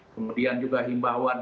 kemudian juga himbauan